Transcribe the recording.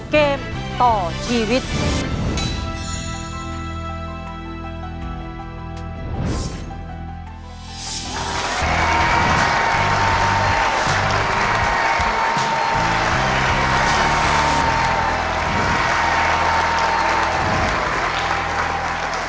เกมต่อชีวิต